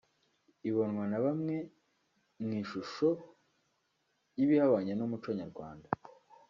ibonwa na bamwe mu ishusho y’ibihabanye n’umuco nyarwanda